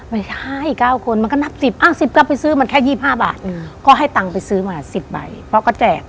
ไม่ใช่๙คนมันก็นับ๑๐๑๙ไปซื้อมันแค่๒๕บาทก็ให้ตังค์ไปซื้อมา๑๐ใบเพราะก็แจก